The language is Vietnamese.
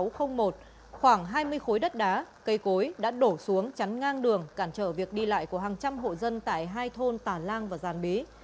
khoảng hai mươi khối đất đá cây cối đã đổ xuống chắn ngang đường cản trở việc đi lại của hàng trăm hộ dân tại hai thôn tà lan và giàn bí